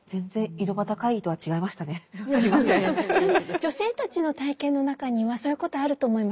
女性たちの体験の中にはそういうことあると思います。